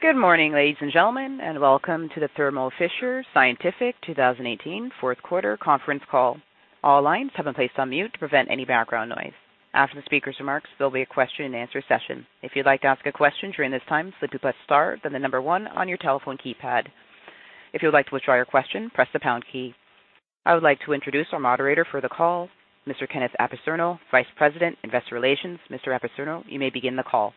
Good morning, ladies and gentlemen, welcome to the Thermo Fisher Scientific 2018 fourth quarter conference call. All lines have been placed on mute to prevent any background noise. After the speaker's remarks, there'll be a question and answer session. If you would like to ask a question during this time, simply press star, then the number one on your telephone keypad. If you would like to withdraw your question, press the pound key. I would like to introduce our moderator for the call, Mr. Kenneth Apicerno, Vice President, Investor Relations. Mr. Apicerno, you may begin the call.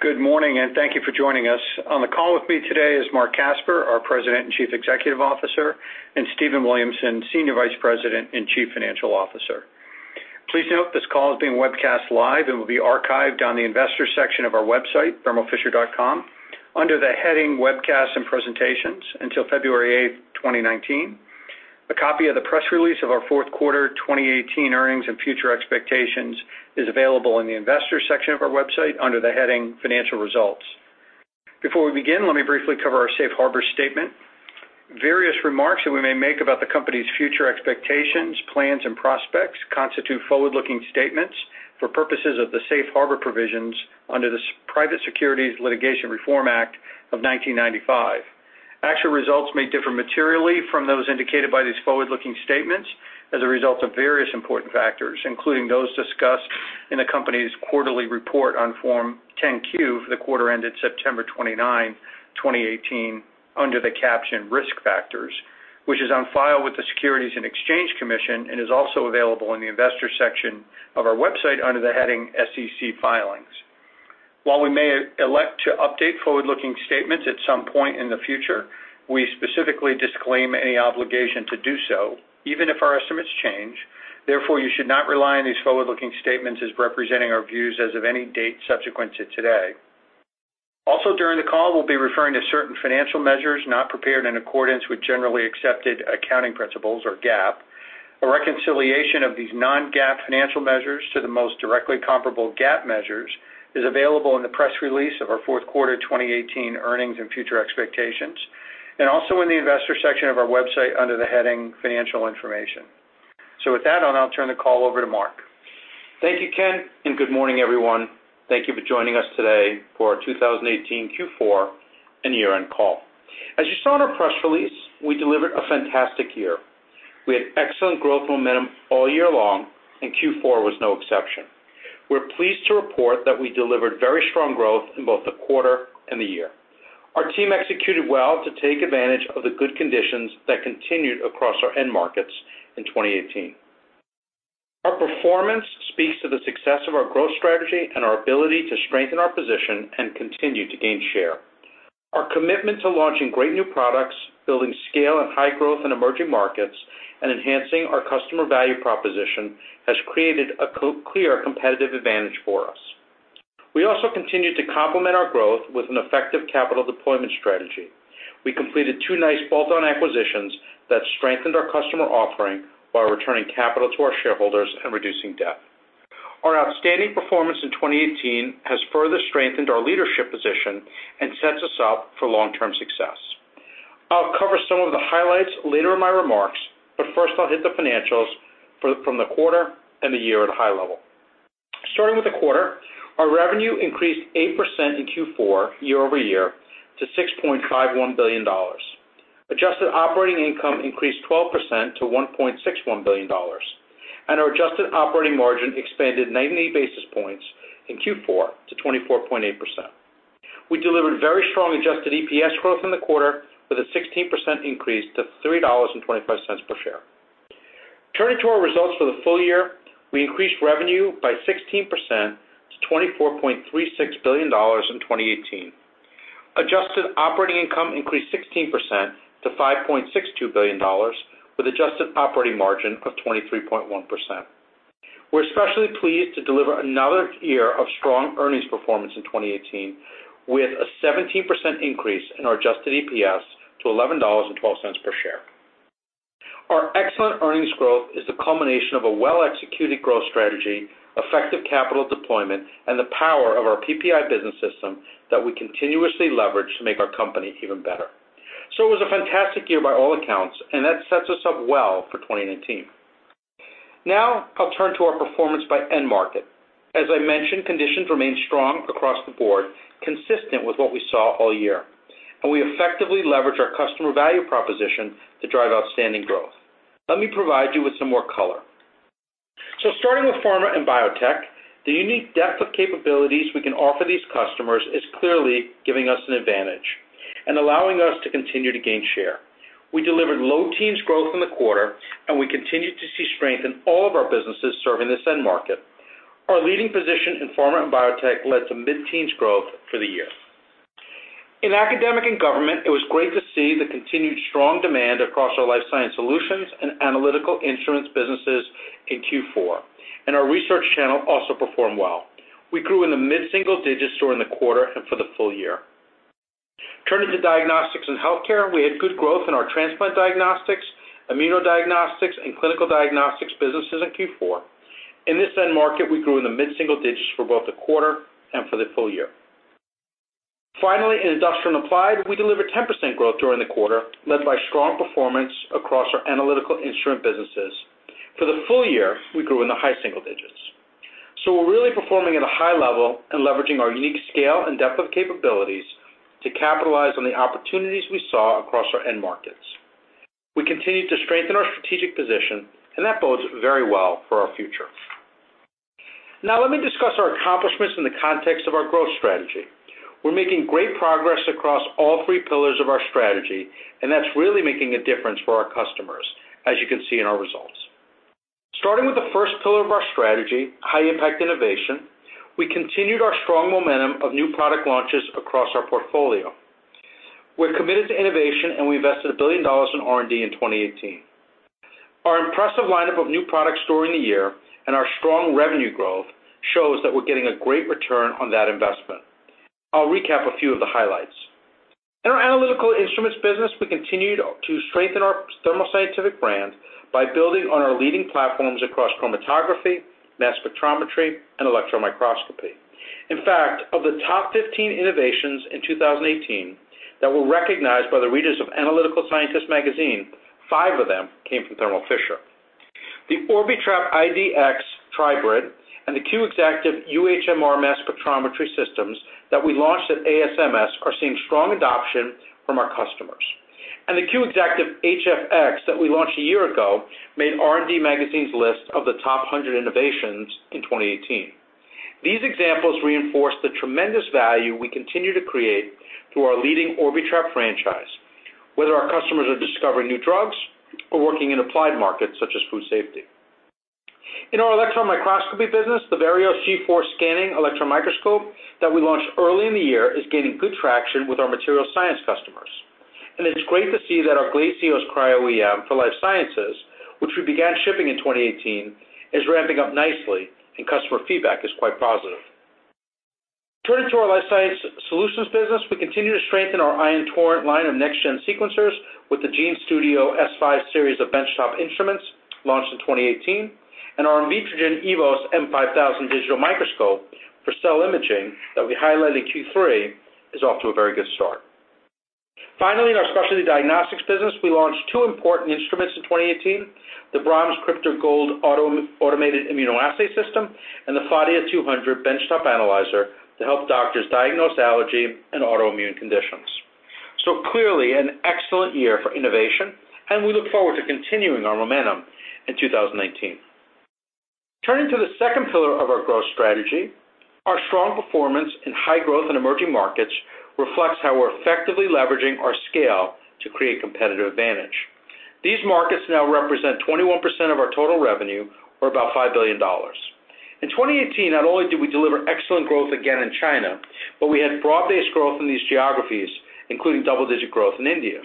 Good morning, thank you for joining us. On the call with me today is Marc Casper, our President and Chief Executive Officer, and Stephen Williamson, Senior Vice President and Chief Financial Officer. Please note this call is being webcast live and will be archived on the investor section of our website, thermofisher.com, under the heading Webcasts and Presentations until February 8, 2019. A copy of the press release of our fourth quarter 2018 earnings and future expectations is available in the Investor section of our website under the heading Financial Results. Before we begin, let me briefly cover our safe harbor statement. Various remarks that we may make about the company's future expectations, plans, and prospects constitute forward-looking statements for purposes of the safe harbor provisions under the Private Securities Litigation Reform Act of 1995. Actual results may differ materially from those indicated by these forward-looking statements as a result of various important factors, including those discussed in the company's quarterly report on Form 10-Q for the quarter ended September 29, 2018, under the caption Risk Factors, which is on file with the Securities and Exchange Commission and is also available in the Investor section of our website under the heading SEC Filings. While we may elect to update forward-looking statements at some point in the future, we specifically disclaim any obligation to do so, even if our estimates change. Therefore, you should not rely on these forward-looking statements as representing our views as of any date subsequent to today. Also, during the call, we'll be referring to certain financial measures not prepared in accordance with generally accepted accounting principles or GAAP. A reconciliation of these non-GAAP financial measures to the most directly comparable GAAP measures is available in the press release of our fourth quarter 2018 earnings and future expectations, and also in the Investor section of our website under the heading Financial Information. With that, I'll now turn the call over to Marc. Thank you, Ken, good morning, everyone. Thank you for joining us today for our 2018 Q4 and year-end call. As you saw in our press release, we delivered a fantastic year. We had excellent growth momentum all year long, Q4 was no exception. We're pleased to report that we delivered very strong growth in both the quarter and the year. Our team executed well to take advantage of the good conditions that continued across our end markets in 2018. Our performance speaks to the success of our growth strategy and our ability to strengthen our position and continue to gain share. Our commitment to launching great new products, building scale and high growth in emerging markets, and enhancing our customer value proposition has created a clear competitive advantage for us. We also continued to complement our growth with an effective capital deployment strategy. We completed two nice bolt-on acquisitions that strengthened our customer offering while returning capital to our shareholders and reducing debt. Our outstanding performance in 2018 has further strengthened our leadership position and sets us up for long-term success. First, I'll hit the financials from the quarter and the year at a high level. Starting with the quarter, our revenue increased 8% in Q4 year-over-year to $6.51 billion. Adjusted operating income increased 12% to $1.61 billion, our adjusted operating margin expanded 90 basis points in Q4 to 24.8%. We delivered very strong adjusted EPS growth in the quarter with a 16% increase to $3.25 per share. Turning to our results for the full year, we increased revenue by 16% to $24.36 billion in 2018. Adjusted operating income increased 16% to $5.62 billion with adjusted operating margin of 23.1%. We're especially pleased to deliver another year of strong earnings performance in 2018, with a 17% increase in our adjusted EPS to $11.12 per share. Our excellent earnings growth is the culmination of a well-executed growth strategy, effective capital deployment, and the power of our PPI business system that we continuously leverage to make our company even better. It was a fantastic year by all accounts, that sets us up well for 2019. Now I'll turn to our performance by end market. As I mentioned, conditions remain strong across the board, consistent with what we saw all year, we effectively leverage our customer value proposition to drive outstanding growth. Let me provide you with some more color. Starting with pharma and biotech, the unique depth of capabilities we can offer these customers is clearly giving us an advantage and allowing us to continue to gain share. We delivered low teens growth in the quarter, we continued to see strength in all of our businesses serving this end market. Our leading position in pharma and biotech led to mid-teens growth for the year. In academic and government, it was great to see the continued strong demand across our Life Sciences Solutions and Analytical Instruments businesses in Q4, our research channel also performed well. We grew in the mid-single digits during the quarter and for the full year. Turning to diagnostics and healthcare, we had good growth in our transplant diagnostics, immunodiagnostics, and clinical diagnostics businesses in Q4. In this end market, we grew in the mid-single digits for both the quarter and for the full year. Finally, in industrial applied, we delivered 10% growth during the quarter, led by strong performance across our Analytical Instruments businesses. For the full year, we grew in the high single digits. We're really performing at a high level and leveraging our unique scale and depth of capabilities to capitalize on the opportunities we saw across our end markets. We continue to strengthen our strategic position, and that bodes very well for our future. Now let me discuss our accomplishments in the context of our growth strategy. We're making great progress across all three pillars of our strategy, and that's really making a difference for our customers, as you can see in our results. Starting with the first pillar of our strategy, high impact innovation, we continued our strong momentum of new product launches across our portfolio. We're committed to innovation, and we invested $1 billion in R&D in 2018. Our impressive lineup of new products during the year and our strong revenue growth shows that we're getting a great return on that investment. I'll recap a few of the highlights. In our Analytical Instruments business, we continued to strengthen our Thermo Scientific brand by building on our leading platforms across chromatography, mass spectrometry, and electron microscopy. In fact, of the top 15 innovations in 2018 that were recognized by the readers of The Analytical Scientist, five of them came from Thermo Fisher. The Orbitrap ID-X Tribrid and the Q Exactive UHMR mass spectrometry systems that we launched at ASMS are seeing strong adoption from our customers. The Q Exactive HF-X that we launched a year ago made R&D Magazine's list of the top 100 innovations in 2018. These examples reinforce the tremendous value we continue to create through our leading Orbitrap franchise, whether our customers are discovering new drugs or working in applied markets such as food safety. In our electron microscopy business, the Verios G4 scanning electron microscope that we launched early in the year is gaining good traction with our material science customers. It's great to see that our Glacios Cryo-EM for life sciences, which we began shipping in 2018, is ramping up nicely, and customer feedback is quite positive. Turning to our Life Sciences Solutions business, we continue to strengthen our Ion Torrent line of next-gen sequencers with the GeneStudio S5 series of bench-top instruments launched in 2018, and our Invitrogen EVOS M5000 digital microscope for cell imaging that we highlighted in Q3 is off to a very good start. Finally, in our Specialty Diagnostics business, we launched two important instruments in 2018, the B·R·A·H·M·S KRYPTOR GOLD Automated Immunoassay System, and the Phadia 200 Benchtop Analyzer to help doctors diagnose allergy and autoimmune conditions. Clearly an excellent year for innovation, and we look forward to continuing our momentum in 2019. Turning to the second pillar of our growth strategy, our strong performance in high growth and emerging markets reflects how we're effectively leveraging our scale to create competitive advantage. These markets now represent 21% of our total revenue, or about $5 billion. In 2018, not only did we deliver excellent growth again in China, but we had broad-based growth in these geographies, including double-digit growth in India.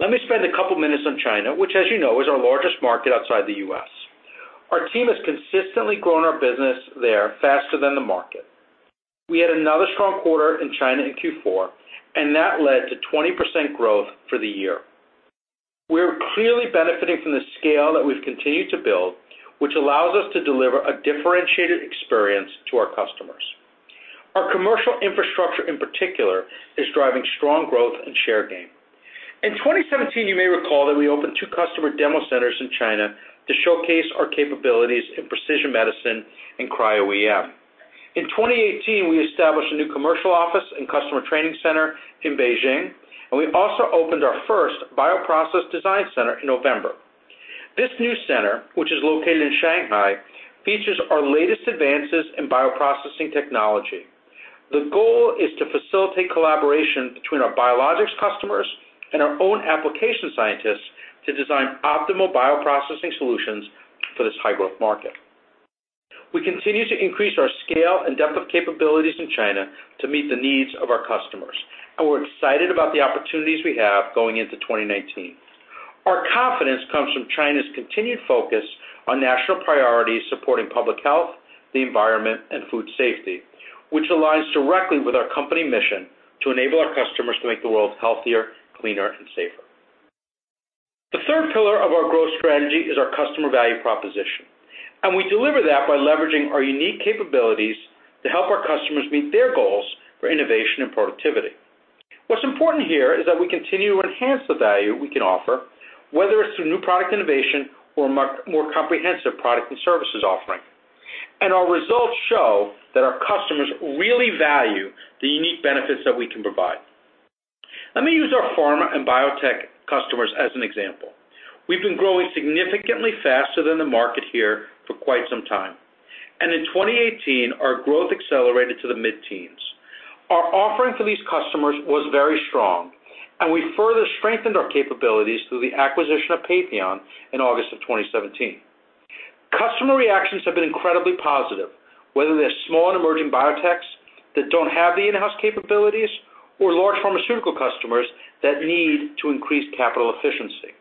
Let me spend a couple minutes on China, which, as you know, is our largest market outside the U.S. Our team has consistently grown our business there faster than the market. We had another strong quarter in China in Q4, and that led to 20% growth for the year. We're clearly benefiting from the scale that we've continued to build, which allows us to deliver a differentiated experience to our customers. Our commercial infrastructure in particular is driving strong growth and share gain. In 2017, you may recall that we opened two customer demo centers in China to showcase our capabilities in precision medicine and Cryo-EM. In 2018, we established a new commercial office and customer training center in Beijing. We also opened our first bioprocess design center in November. This new center, which is located in Shanghai, features our latest advances in bioprocessing technology. The goal is to facilitate collaboration between our biologics customers and our own application scientists to design optimal bioprocessing solutions for this high-growth market. We continue to increase our scale and depth of capabilities in China to meet the needs of our customers. We're excited about the opportunities we have going into 2019. Our confidence comes from China's continued focus on national priorities supporting public health, the environment, and food safety, which aligns directly with our company mission to enable our customers to make the world healthier, cleaner, and safer. The third pillar of our growth strategy is our customer value proposition. We deliver that by leveraging our unique capabilities to help our customers meet their goals for innovation and productivity. What's important here is that we continue to enhance the value we can offer, whether it's through new product innovation or a more comprehensive product and services offering. Our results show that our customers really value the unique benefits that we can provide. Let me use our pharma and biotech customers as an example. We've been growing significantly faster than the market here for quite some time, and in 2018, our growth accelerated to the mid-teens. Our offering for these customers was very strong, and we further strengthened our capabilities through the acquisition of Patheon in August of 2017. Customer reactions have been incredibly positive, whether they're small and emerging biotechs that don't have the in-house capabilities or large pharmaceutical customers that need to increase capital efficiency.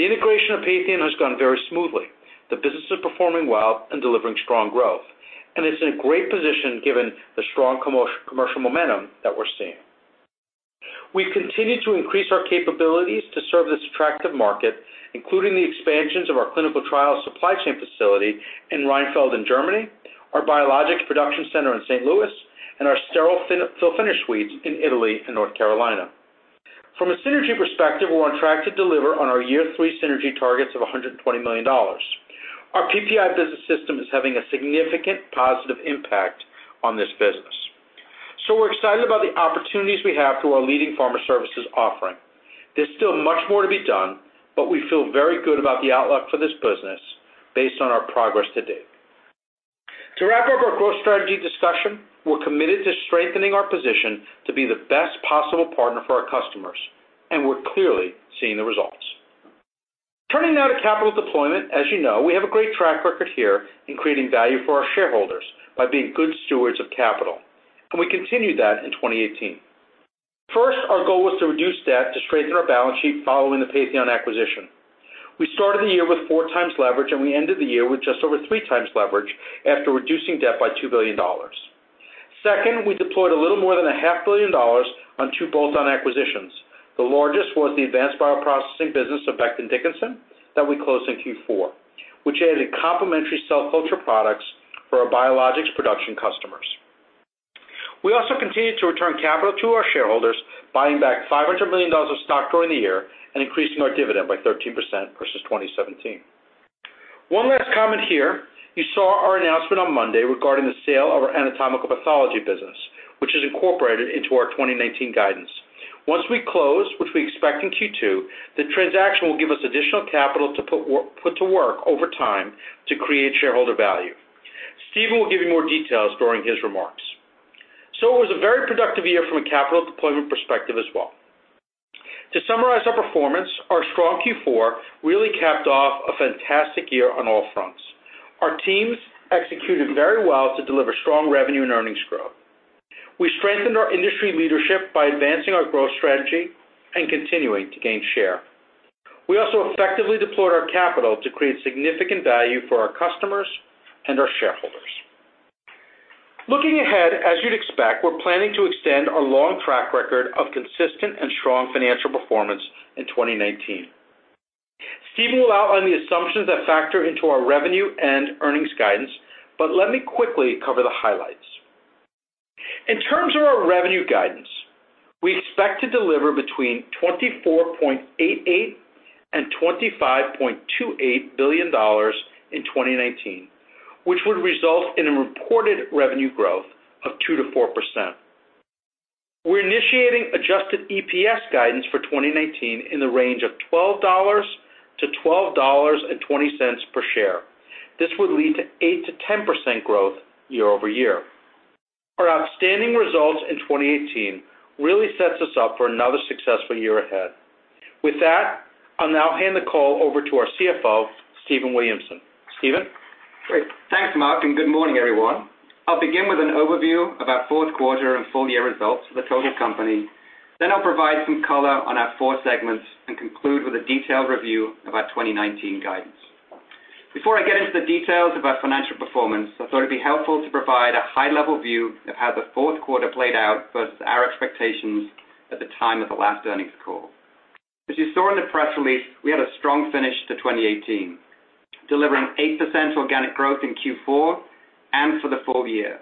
The integration of Patheon has gone very smoothly. The business is performing well and delivering strong growth, and it's in a great position given the strong commercial momentum that we're seeing. We've continued to increase our capabilities to serve this attractive market, including the expansions of our clinical trial supply chain facility in Rheinfelden in Germany, our biologics production center in St. Louis, and our sterile fill finish suites in Italy and North Carolina. From a synergy perspective, we're on track to deliver on our year three synergy targets of $120 million. Our PPI business system is having a significant positive impact on this business. We're excited about the opportunities we have through our leading pharma services offering. There's still much more to be done. We feel very good about the outlook for this business based on our progress to date. To wrap up our growth strategy discussion, we're committed to strengthening our position to be the best possible partner for our customers. We're clearly seeing the results. Turning now to capital deployment. As you know, we have a great track record here in creating value for our shareholders by being good stewards of capital. We continued that in 2018. First, our goal was to reduce debt to strengthen our balance sheet following the Patheon acquisition. We started the year with four times leverage, and we ended the year with just over three times leverage after reducing debt by $2 billion. Second, we deployed a little more than a half billion dollars on two bolt-on acquisitions. The largest was the Advanced Bioprocessing business of Becton Dickinson that we closed in Q4, which added complementary cell culture products for our biologics production customers. We also continued to return capital to our shareholders, buying back $500 million of stock during the year and increasing our dividend by 13% versus 2017. One last comment here. You saw our announcement on Monday regarding the sale of our anatomical pathology business, which is incorporated into our 2019 guidance. Once we close, which we expect in Q2, the transaction will give us additional capital to put to work over time to create shareholder value. Stephen will give you more details during his remarks. It was a very productive year from a capital deployment perspective as well. To summarize our performance, our strong Q4 really capped off a fantastic year on all fronts. Our teams executed very well to deliver strong revenue and earnings growth. We strengthened our industry leadership by advancing our growth strategy and continuing to gain share. We also effectively deployed our capital to create significant value for our customers and our shareholders. Looking ahead, as you'd expect, we're planning to extend our long track record of consistent and strong financial performance in 2019. Stephen will outline the assumptions that factor into our revenue and earnings guidance, but let me quickly cover the highlights. In terms of our revenue guidance, we expect to deliver between $24.88 billion and $25.28 billion in 2019, which would result in a reported revenue growth of 2% to 4%. We're initiating adjusted EPS guidance for 2019 in the range of $12 to $12.20 per share. This would lead to 8% to 10% growth year-over-year. Our outstanding results in 2018 really sets us up for another successful year ahead. With that, I'll now hand the call over to our CFO, Stephen Williamson. Stephen? Great. Thanks, Marc, Good morning, everyone. I'll begin with an overview of our fourth quarter and full year results for the total company. I'll provide some color on our four segments and conclude with a detailed review of our 2019 guidance. Before I get into the details of our financial performance, I thought it'd be helpful to provide a high-level view of how the fourth quarter played out versus our expectations at the time of the last earnings call. As you saw in the press release, we had a strong finish to 2018, delivering 8% organic growth in Q4 and for the full year.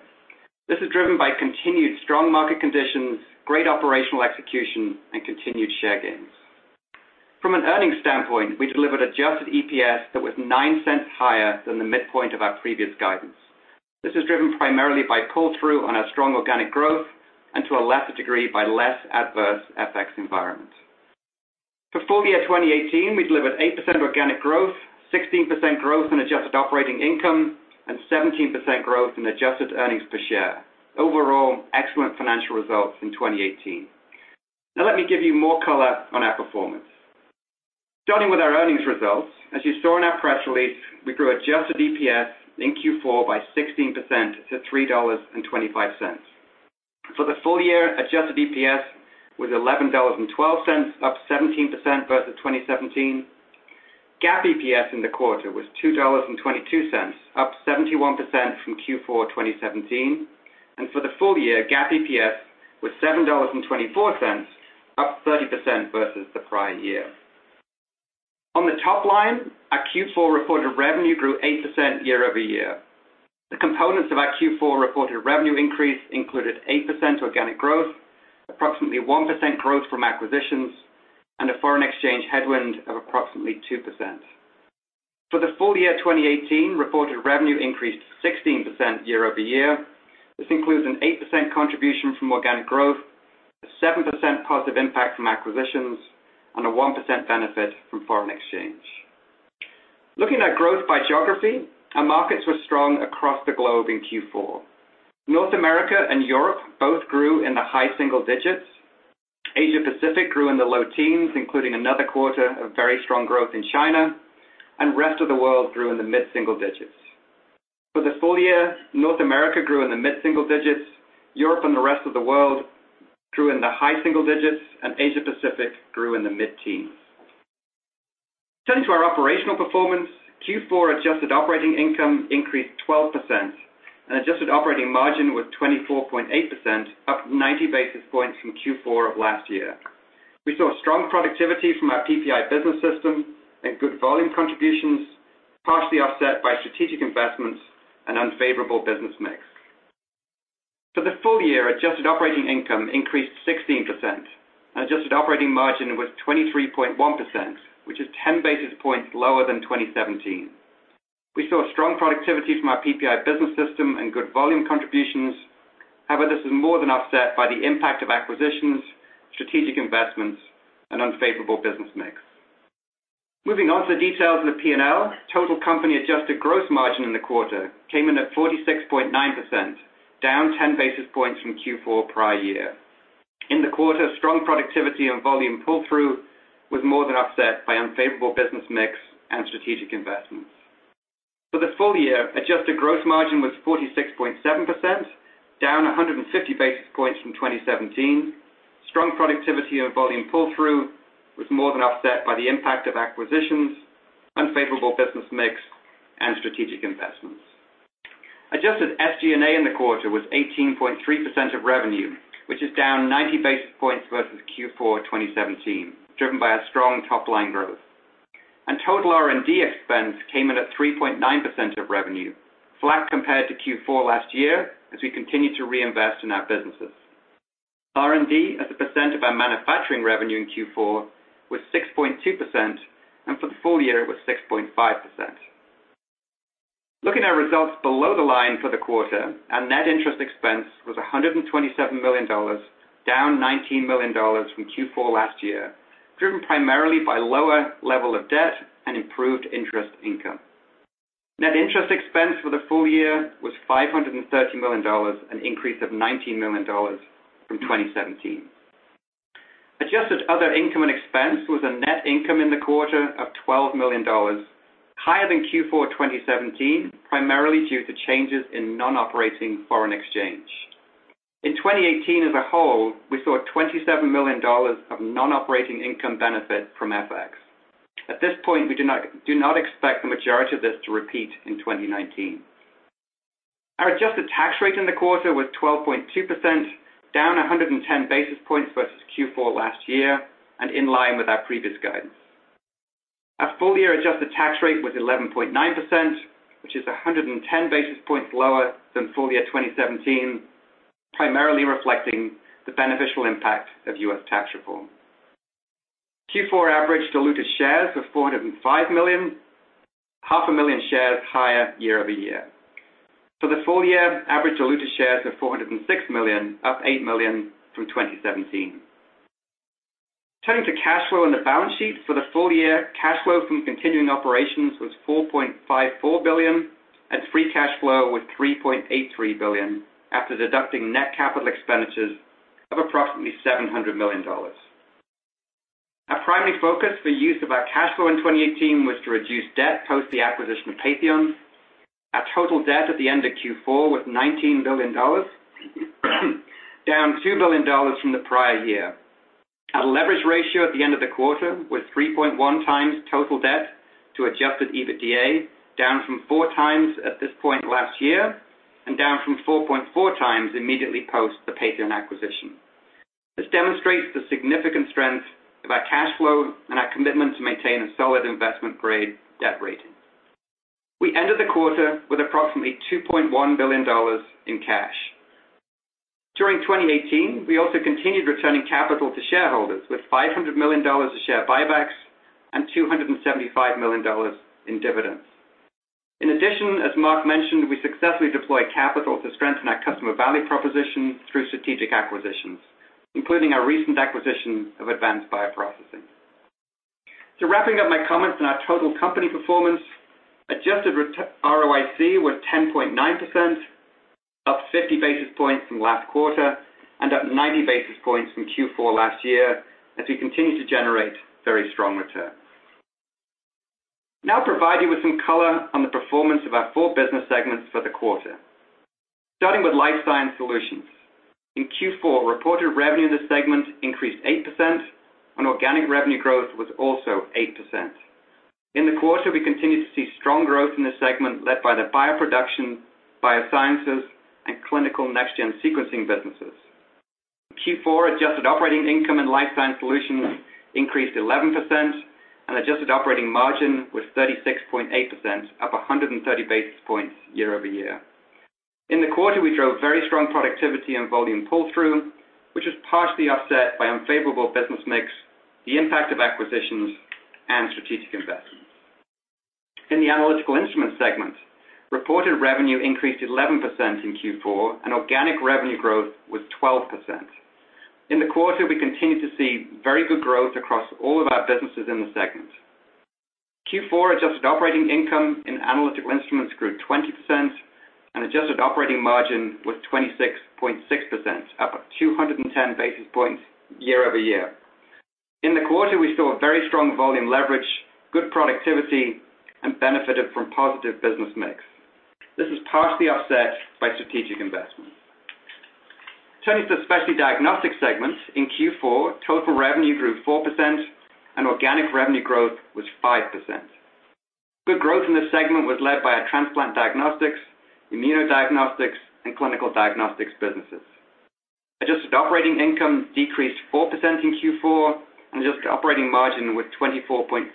This is driven by continued strong market conditions, great operational execution, and continued share gains. From an earnings standpoint, we delivered adjusted EPS that was $0.09 higher than the midpoint of our previous guidance. This is driven primarily by pull-through on our strong organic growth. To a lesser degree, by less adverse FX environment. For full year 2018, we delivered 8% organic growth, 16% growth in adjusted operating income, and 17% growth in adjusted earnings per share. Overall, excellent financial results in 2018. Let me give you more color on our performance. Starting with our earnings results. As you saw in our press release, we grew adjusted EPS in Q4 by 16% to $3.25. For the full year, adjusted EPS was $11.12, up 17% versus 2017. GAAP EPS in the quarter was $2.22, up 71% from Q4 2017. For the full year, GAAP EPS was $7.24, up 30% versus the prior year. On the top line, our Q4 reported revenue grew 8% year-over-year. The components of our Q4 reported revenue increase included 8% organic growth, approximately 1% growth from acquisitions. A foreign exchange headwind of approximately 2%. For the full year 2018, reported revenue increased 16% year-over-year. This includes an 8% contribution from organic growth, a 7% positive impact from acquisitions, and a 1% benefit from foreign exchange. Looking at growth by geography, our markets were strong across the globe in Q4. North America and Europe both grew in the high single digits. Asia-Pacific grew in the low teens, including another quarter of very strong growth in China. Rest of the world grew in the mid-single digits. For the full year, North America grew in the mid-single digits, Europe and the rest of the world grew in the high single digits, and Asia-Pacific grew in the mid-teens. Turning to our operational performance, Q4 adjusted operating income increased 12%, adjusted operating margin was 24.8%, up 90 basis points from Q4 of last year. We saw strong productivity from our PPI business system and good volume contributions, partially offset by strategic investments and unfavorable business mix. For the full year, adjusted operating income increased 16%, adjusted operating margin was 23.1%, which is 10 basis points lower than 2017. We saw strong productivity from our PPI business system and good volume contributions. This is more than offset by the impact of acquisitions, strategic investments, and unfavorable business mix. Moving on to the details of the P&L, total company adjusted gross margin in the quarter came in at 46.9%, down 10 basis points from Q4 prior year. In the quarter, strong productivity and volume pull-through was more than offset by unfavorable business mix and strategic investments. For the full year, adjusted gross margin was 46.7%, down 150 basis points from 2017. Strong productivity and volume pull-through was more than offset by the impact of acquisitions, unfavorable business mix, and strategic investments. Adjusted SG&A in the quarter was 18.3% of revenue, which is down 90 basis points versus Q4 2017, driven by our strong top-line growth. Total R&D expense came in at 3.9% of revenue, flat compared to Q4 last year, as we continue to reinvest in our businesses. R&D as a percent of our manufacturing revenue in Q4 was 6.2%, and for the full year it was 6.5%. Looking at results below the line for the quarter, our net interest expense was $127 million, down $19 million from Q4 last year, driven primarily by lower level of debt and improved interest income. Net interest expense for the full year was $530 million, an increase of $19 million from 2017. Adjusted other income and expense was a net income in the quarter of $12 million, higher than Q4 2017, primarily due to changes in non-operating foreign exchange. In 2018 as a whole, we saw $27 million of non-operating income benefit from FX. At this point, we do not expect the majority of this to repeat in 2019. Our adjusted tax rate in the quarter was 12.2%, down 110 basis points versus Q4 last year, and in line with our previous guidance. Our full-year adjusted tax rate was 11.9%, which is 110 basis points lower than full year 2017, primarily reflecting the beneficial impact of U.S. tax reform. Q4 average diluted shares of 405 million, half a million shares higher year-over-year. For the full year, average diluted shares of 406 million, up eight million from 2017. Turning to cash flow and the balance sheet for the full year, cash flow from continuing operations was $4.54 billion, and free cash flow was $3.83 billion after deducting net capital expenditures of approximately $700 million. Our primary focus for use of our cash flow in 2018 was to reduce debt post the acquisition of Patheon. Our total debt at the end of Q4 was $19 billion, down $2 billion from the prior year. Our leverage ratio at the end of the quarter was 3.1 times total debt to adjusted EBITDA, down from 4 times at this point last year and down from 4.4 times immediately post the Patheon acquisition. This demonstrates the significant strength of our cash flow and our commitment to maintain a solid investment-grade debt rating. We ended the quarter with approximately $2.1 billion in cash. During 2018, we also continued returning capital to shareholders with $500 million of share buybacks and $275 million in dividends. In addition, as Marc mentioned, we successfully deployed capital to strengthen our customer value proposition through strategic acquisitions, including our recent acquisition of Advanced Bioprocessing. Wrapping up my comments on our total company performance, adjusted ROIC was 10.9%, up 50 basis points from last quarter and up 90 basis points from Q4 last year, as we continue to generate very strong returns. Now provide you with some color on the performance of our four business segments for the quarter. Starting with Life Sciences Solutions. In Q4, reported revenue in the segment increased 8%, and organic revenue growth was also 8%. In the quarter, we continued to see strong growth in the segment led by the bioproduction, biosciences, and clinical NextGen sequencing businesses. Q4 adjusted operating income in Life Sciences Solutions increased 11%, and adjusted operating margin was 36.8%, up 130 basis points year-over-year. In the quarter, we drove very strong productivity and volume pull-through, which was partially offset by unfavorable business mix, the impact of acquisitions, and strategic investments. In the Analytical Instruments segment, reported revenue increased 11% in Q4, and organic revenue growth was 12%. In the quarter, we continued to see very good growth across all of our businesses in the segment. Q4 adjusted operating income in Analytical Instruments grew 20%, and adjusted operating margin was 26.6%, up 210 basis points year-over-year. In the quarter, we saw very strong volume leverage, good productivity, and benefited from positive business mix. This was partially offset by strategic investments. Turning to the Specialty Diagnostics segment, in Q4, total revenue grew 4% and organic revenue growth was 5%. Good growth in this segment was led by our transplant diagnostics, immunodiagnostics, and clinical diagnostics businesses. Adjusted operating income decreased 4% in Q4 and adjusted operating margin was 24.5%,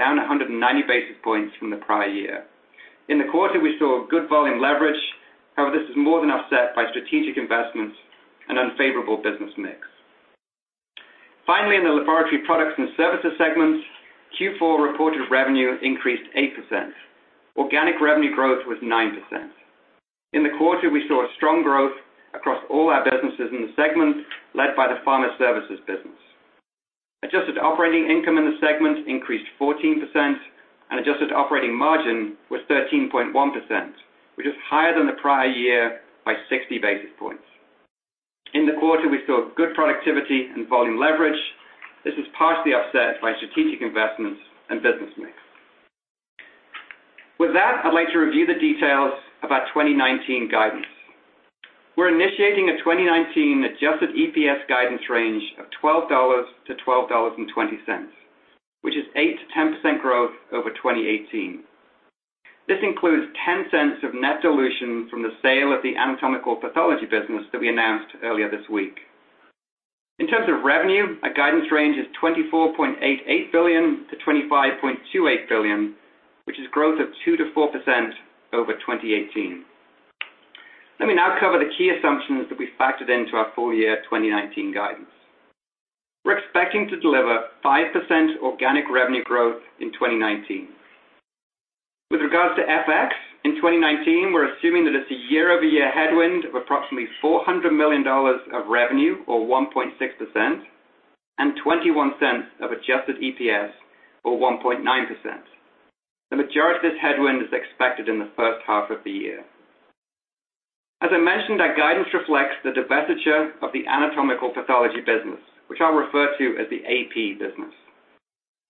down 190 basis points from the prior year. In the quarter, we saw good volume leverage. However, this was more than offset by strategic investments and unfavorable business mix. Finally, in the Laboratory Products and Services segment, Q4 reported revenue increased 8%. Organic revenue growth was 9%. In the quarter, we saw strong growth across all our businesses in the segment, led by the pharma services business. Adjusted operating income in the segment increased 14%, and adjusted operating margin was 13.1%, which is higher than the prior year by 60 basis points. In the quarter, we saw good productivity and volume leverage. This was partially offset by strategic investments and business mix. With that, I'd like to review the details about 2019 guidance. We're initiating a 2019 adjusted EPS guidance range of $12 to $12.20, which is 8%-10% growth over 2018. This includes $0.10 of net dilution from the sale of the anatomical pathology business that we announced earlier this week. In terms of revenue, our guidance range is $24.88 billion to $25.28 billion, which is growth of 2%-4% over 2018. Let me now cover the key assumptions that we factored into our full year 2019 guidance. We're expecting to deliver 5% organic revenue growth in 2019. With regards to FX in 2019, we're assuming that it's a year-over-year headwind of approximately $400 million of revenue, or 1.6%, and $0.21 of adjusted EPS, or 1.9%. The majority of this headwind is expected in the first half of the year. As I mentioned, our guidance reflects the divestiture of the anatomical pathology business, which I'll refer to as the AP business.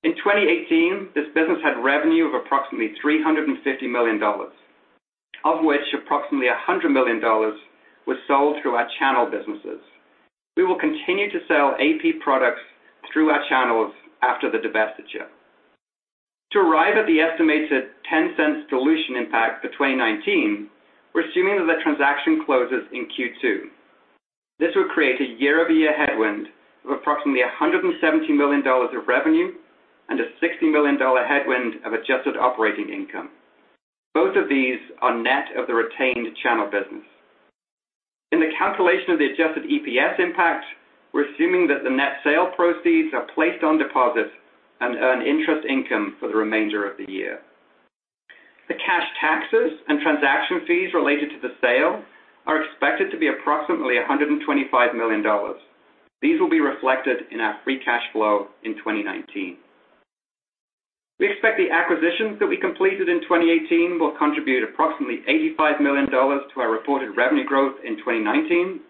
In 2018, this business had revenue of approximately $350 million, of which approximately $100 million was sold through our channel businesses. We will continue to sell AP products through our channels after the divestiture. To arrive at the estimated $0.10 dilution impact for 2019, we're assuming that the transaction closes in Q2. This would create a year-over-year headwind of approximately $170 million of revenue and a $60 million headwind of adjusted operating income. Both of these are net of the retained channel business. In the calculation of the adjusted EPS impact, we're assuming that the net sale proceeds are placed on deposit and earn interest income for the remainder of the year. The cash taxes and transaction fees related to the sale are expected to be approximately $125 million. These will be reflected in our free cash flow in 2019. We expect the acquisitions that we completed in 2018 will contribute approximately $85 million to our reported revenue growth in 2019.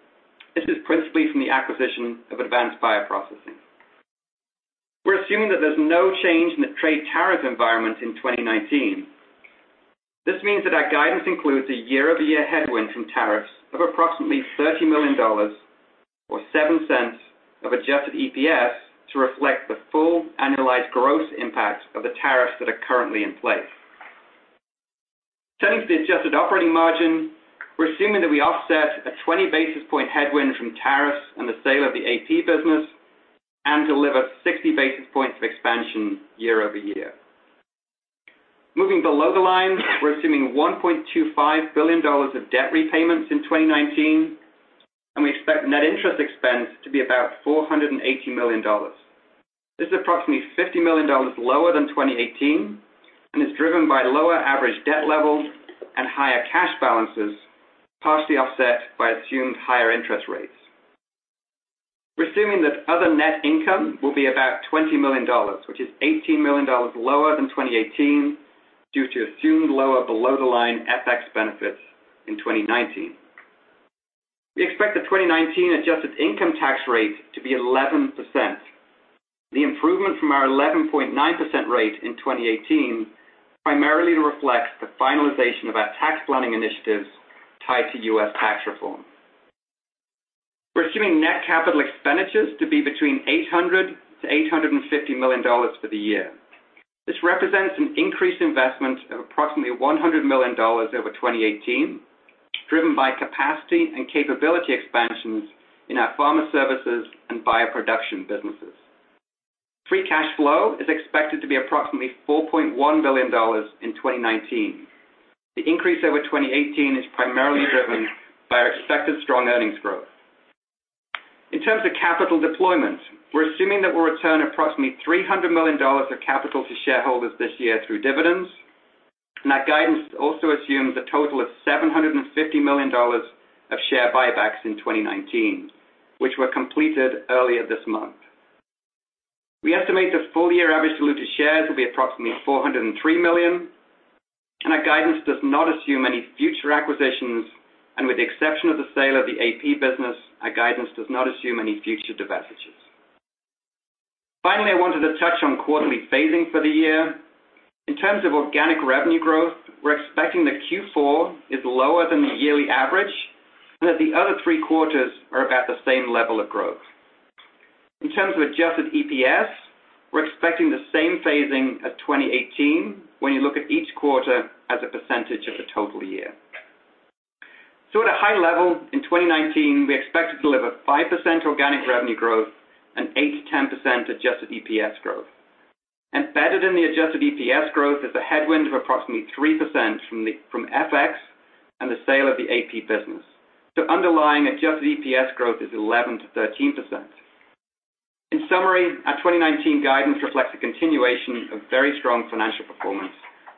This is principally from the acquisition of Advanced Bioprocessing. We're assuming that there's no change in the trade tariff environment in 2019. This means that our guidance includes a year-over-year headwind from tariffs of approximately $30 million, or $0.07 of adjusted EPS to reflect the full annualized gross impact of the tariffs that are currently in place. Turning to the adjusted operating margin, we're assuming that we offset a 20 basis point headwind from tariffs and the sale of the AP business and deliver 60 basis points of expansion year-over-year. Moving below the line, we're assuming $1.25 billion of debt repayments in 2019. We expect net interest expense to be about $480 million. This is approximately $50 million lower than 2018, and is driven by lower average debt levels and higher cash balances, partially offset by assumed higher interest rates. We're assuming that other net income will be about $20 million, which is $18 million lower than 2018 due to assumed lower below-the-line FX benefits in 2019. We expect the 2019 adjusted income tax rate to be 11%. The improvement from our 11.9% rate in 2018 primarily reflects the finalization of our tax planning initiatives tied to U.S. tax reform. We're assuming net capital expenditures to be between $800 million-$850 million for the year. This represents an increased investment of approximately $100 million over 2018, driven by capacity and capability expansions in our pharma services and bioproduction businesses. Free cash flow is expected to be approximately $4.1 billion in 2019. The increase over 2018 is primarily driven by our expected strong earnings growth. In terms of capital deployment, we're assuming that we'll return approximately $300 million of capital to shareholders this year through dividends. Our guidance also assumes a total of $750 million of share buybacks in 2019, which were completed earlier this month. We estimate that full-year average diluted shares will be approximately 403 million. Our guidance does not assume any future acquisitions. With the exception of the sale of the AP business, our guidance does not assume any future divestitures. I wanted to touch on quarterly phasing for the year. In terms of organic revenue growth, we're expecting that Q4 is lower than the yearly average and that the other three quarters are about the same level of growth. In terms of adjusted EPS, we're expecting the same phasing as 2018, when you look at each quarter as a percentage of the total year. At a high level, in 2019, we expect to deliver 5% organic revenue growth and 8%-10% adjusted EPS growth. Embedded in the adjusted EPS growth is a headwind of approximately 3% from FX and the sale of the AP business. Underlying adjusted EPS growth is 11%-13%. In summary, our 2019 guidance reflects a continuation of very strong financial performance.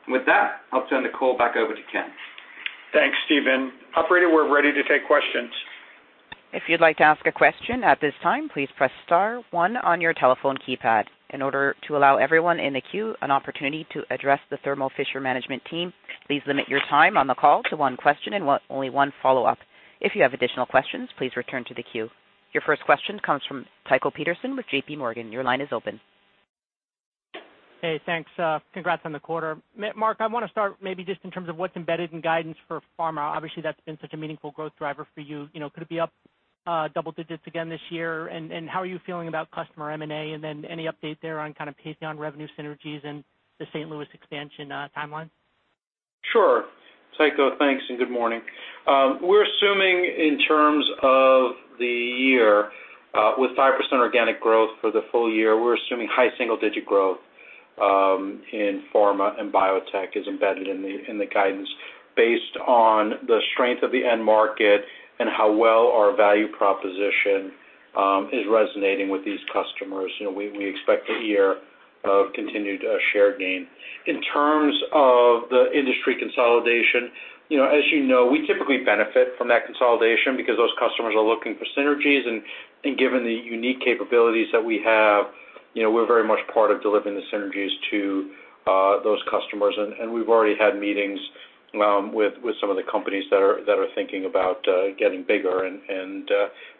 With that, I'll turn the call back over to Ken. Thanks, Stephen. Operator, we're ready to take questions. If you'd like to ask a question at this time, please press star one on your telephone keypad. In order to allow everyone in the queue an opportunity to address the Thermo Fisher management team, please limit your time on the call to one question and only one follow-up. If you have additional questions, please return to the queue. Your first question comes from Tycho Peterson with J.P. Morgan. Your line is open. Hey, thanks. Congrats on the quarter. Marc, I want to start maybe just in terms of what's embedded in guidance for pharma. Obviously, that's been such a meaningful growth driver for you. Could it be up double digits again this year? How are you feeling about customer M&A? Then any update there on kind of Patheon revenue synergies and the St. Louis expansion timeline? Sure. Tycho, thanks, and good morning. We're assuming in terms of the year, with 5% organic growth for the full year, we're assuming high single-digit growth in pharma and biotech is embedded in the guidance based on the strength of the end market and how well our value proposition is resonating with these customers. We expect a year of continued share gain. In terms of the industry consolidation, as you know, we typically benefit from that consolidation because those customers are looking for synergies, and given the unique capabilities that we have, we're very much part of delivering the synergies to those customers. We've already had meetings with some of the companies that are thinking about getting bigger, and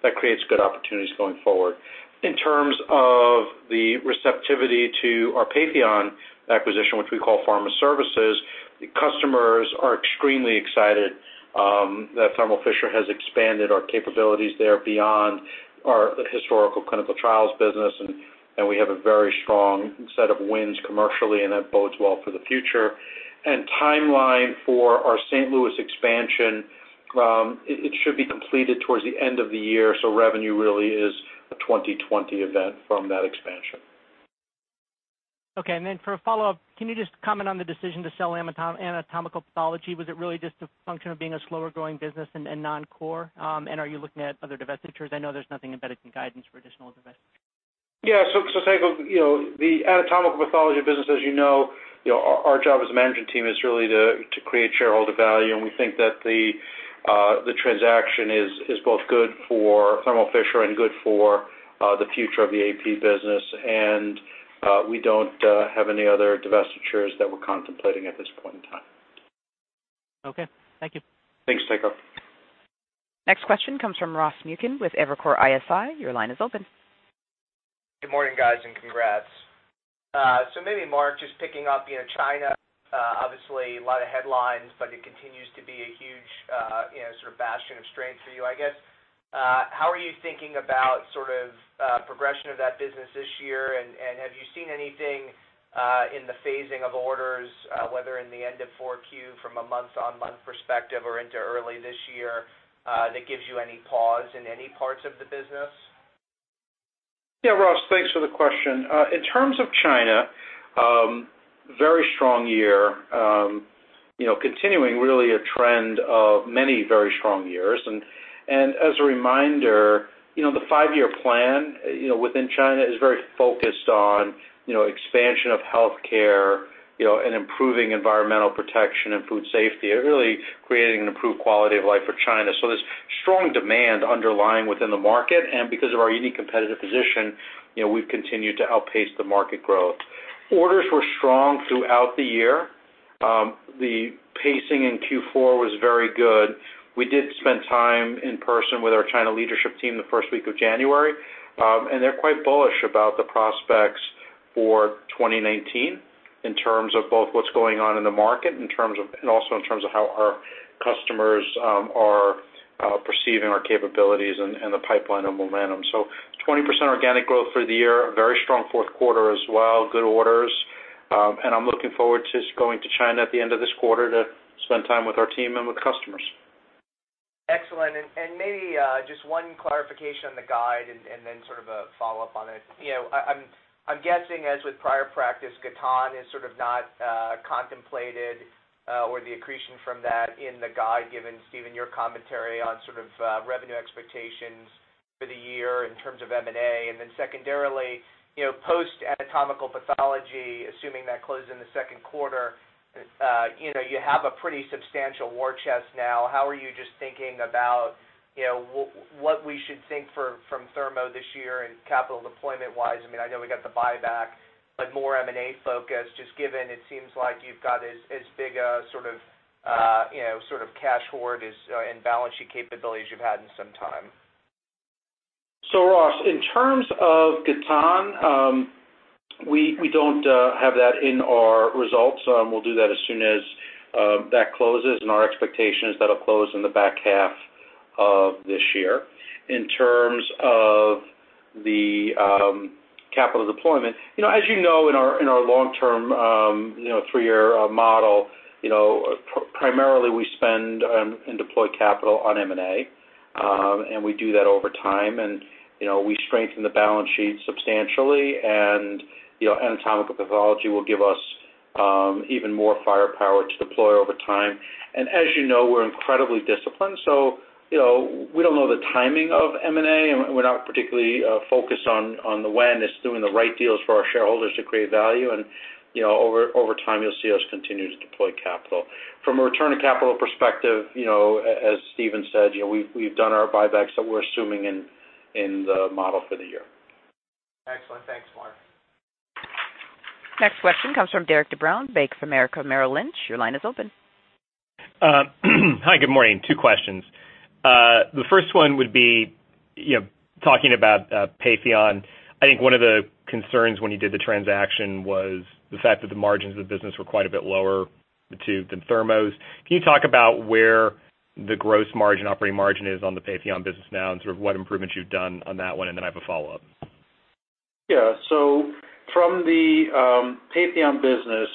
that creates good opportunities going forward. In terms of the receptivity to our Patheon acquisition, which we call Pharma Services, the customers are extremely excited that Thermo Fisher has expanded our capabilities there beyond our historical clinical trials business, and we have a very strong set of wins commercially, that bodes well for the future. Timeline for our St. Louis expansion, it should be completed towards the end of the year, so revenue really is a 2020 event from that expansion. Okay, for a follow-up, can you just comment on the decision to sell anatomical pathology? Was it really just a function of being a slower-growing business and non-core? Are you looking at other divestitures? I know there's nothing embedded in guidance for additional divestitures. Yeah, Tycho, the anatomical pathology business, as you know, our job as a management team is really to create shareholder value, and we think that the transaction is both good for Thermo Fisher and good for the future of the AP business. We don't have any other divestitures that we're contemplating at this point in time. Okay. Thank you. Thanks, Tycho. Next question comes from Ross Muken with Evercore ISI. Your line is open. Good morning, guys, and congrats. Maybe, Marc, just picking up, China, obviously a lot of headlines, but it continues to be a huge bastion of strength for you, I guess. How are you thinking about progression of that business this year, and have you seen anything in the phasing of orders, whether in the end of Q4 from a month-on-month perspective or into early this year, that gives you any pause in any parts of the business? Yeah, Ross, thanks for the question. In terms of China, very strong year, continuing really a trend of many very strong years. As a reminder, the five-year plan within China is very focused on expansion of healthcare and improving environmental protection and food safety, and really creating an improved quality of life for China. There's strong demand underlying within the market, and because of our unique competitive position, we've continued to outpace the market growth. Orders were strong throughout the year. The pacing in Q4 was very good. We did spend time in person with our China leadership team the first week of January, and they're quite bullish about the prospects for 2019 in terms of both what's going on in the market and also in terms of how our customers are perceiving our capabilities and the pipeline and momentum. 20% organic growth for the year, a very strong fourth quarter as well, good orders, and I'm looking forward to going to China at the end of this quarter to spend time with our team and with customers. Excellent. Maybe just one clarification on the guide and then sort of a follow-up on it. I'm guessing as with prior practice, Gatan is sort of not contemplated or the accretion from that in the guide, given, Stephen, your commentary on sort of revenue expectations for the year in terms of M&A. Secondarily, post anatomical pathology, assuming that closed in the second quarter, you have a pretty substantial war chest now. How are you just thinking about what we should think from Thermo this year and capital deployment-wise? I know we got the buyback, but more M&A focus, just given it seems like you've got as big a sort of cash hoard and balance sheet capabilities you've had in some time. Ross, in terms of Gatan. We don't have that in our results. We'll do that as soon as that closes, and our expectation is that'll close in the back half of this year. In terms of the capital deployment, as you know, in our long-term three-year model, primarily we spend and deploy capital on M&A, and we do that over time, and we strengthen the balance sheet substantially. Anatomical pathology will give us even more firepower to deploy over time. As you know, we're incredibly disciplined, so we don't know the timing of M&A, and we're not particularly focused on the when. It's doing the right deals for our shareholders to create value, and over time, you'll see us continue to deploy capital. From a return on capital perspective, as Stephen said, we've done our buybacks that we're assuming in the model for the year. Excellent. Thanks, Marc. Next question comes from Derik De Bruin, Bank of America Merrill Lynch. Your line is open. Hi, good morning. Two questions. The first one would be, talking about Patheon, I think one of the concerns when you did the transaction was the fact that the margins of the business were quite a bit lower than Thermo's. Can you talk about where the gross margin, operating margin is on the Patheon business now, and what improvements you've done on that one, and then I have a follow-up. Yeah. From the Patheon business,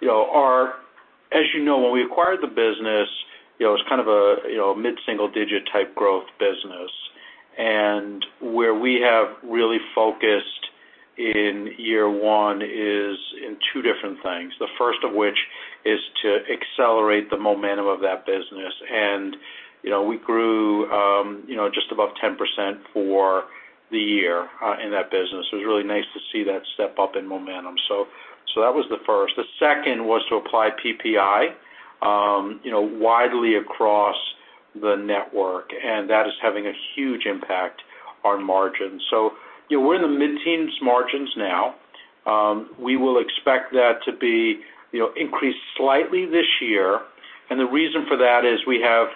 as you know, when we acquired the business, it was a mid-single-digit type growth business. Where we have really focused in year one is in two different things, the first of which is to accelerate the momentum of that business. We grew just above 10% for the year in that business. It was really nice to see that step-up in momentum. That was the first. The second was to apply PPI widely across the network, and that is having a huge impact on margins. We're in the mid-teens margins now. We will expect that to be increased slightly this year. The reason for that is we have